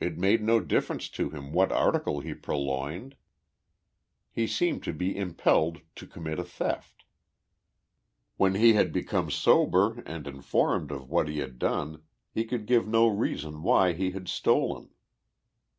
It made no difference to him what article he pur loined. lie seemed to be impelled to commit a theft. When he had become sober and informed of what he had done he could 23 TIIE LIFE OF JESSE IIAEDIXG POMEROY. give no reason why lie had stolen.